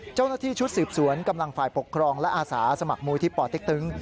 เจ้าหน้าที่ชุดสืบสวนกำลังฝ่ายปกครองและอาสาสมัครมูลที่ปเต็กตึง